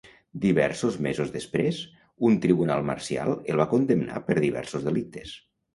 Diversos mesos després, un tribunal marcial el va condemnar per diversos delictes.